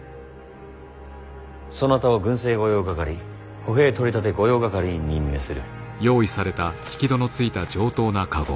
そなたを軍制御用掛歩兵取立御用掛に任命する。